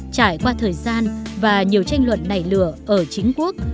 trải qua thời gian và nhiều tranh luận nảy lửa ở chính quốc